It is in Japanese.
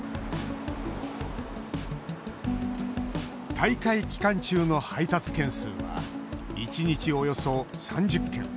大会期間中の配達件数は１日およそ３０件。